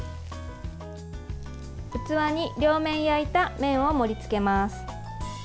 器に両面焼いた麺を盛り付けます。